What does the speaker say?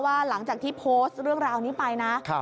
หลังจากที่โพสต์เรื่องราวนี้ไปนะ